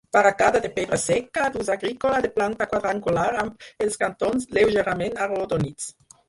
Barraca de pedra seca, d'ús agrícola, de planta quadrangular amb els cantons lleugerament arrodonits.